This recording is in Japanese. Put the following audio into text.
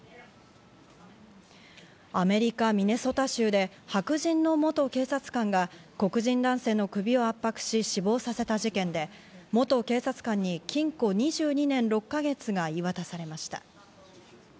アメリカ・ミネソタ州で白人の元警察官が黒人男性の首を圧迫し死亡させた事件で、元警察官に禁錮２２年６か月が言い渡されました。